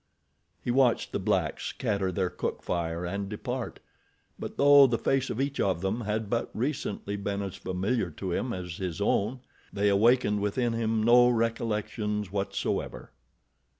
He watched the blacks scatter their cook fire and depart; but though the face of each of them had but recently been as familiar to him as his own, they awakened within him no recollections whatsoever.